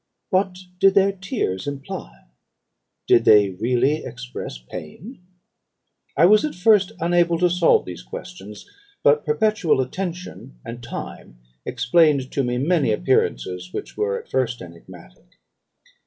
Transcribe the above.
What did their tears imply? Did they really express pain? I was at first unable to solve these questions; but perpetual attention and time explained to me many appearances which were at first enigmatic.